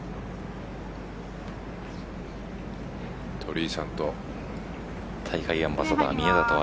鳥井さんと大会アンバサダー、宮里藍